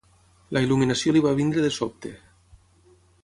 La il·luminació li va venir de sobte.